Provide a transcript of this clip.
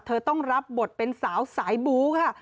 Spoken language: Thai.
เธอต้องรับบทเป็นสาวสายบู๊ค่ะ